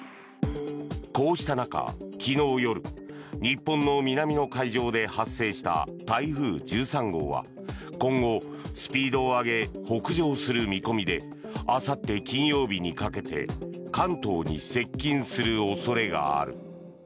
こうした中、昨日夜日本の南の海上で発生した台風１３号は今後、スピードを上げ北上する見込みであさって金曜日にかけて関東に接近する恐れある。